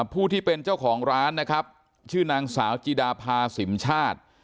ผู้ที่เป็นเจ้าของร้านนะครับชื่อนางสาวจีดาพาสิมชาติ